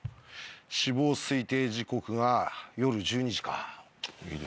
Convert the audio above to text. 死亡推定時刻が夜１２時か。